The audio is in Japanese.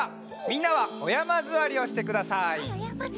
みんなはおやまずわりをしてください。